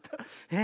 え。